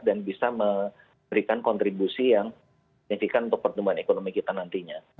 dan bisa memberikan kontribusi yang signifikan untuk pertumbuhan ekonomi kita nantinya